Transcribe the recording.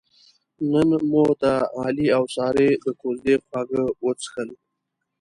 نن مو د علي اوسارې د کوزدې خواږه وڅښل.